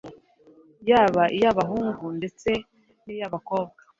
yaba iy’abahungu ndetse n’iy’abakobwa